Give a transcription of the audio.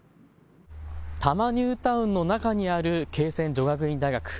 多摩ニュータウンの中にある恵泉女学園大学。